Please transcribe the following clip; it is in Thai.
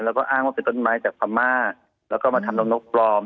แล้วก็อ้างว่าเป็นต้นไม้จากพม่าแล้วก็มาทำน้องนกปลอม